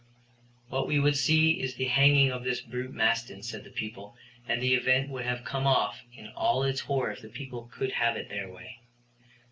What we would see is the hanging of this brute Maston, said the people, and the event would have come off in all its horror if the people could have it their way.